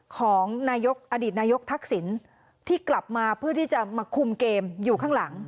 ของนายกอดีตนายกทักษิณที่กลับมาเพื่อที่จะมาคุมเกมอยู่ข้างหลัง